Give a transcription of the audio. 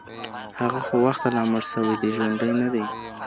هغه خو وخته لا مړ سوئ دئ ژوندى نـه دئ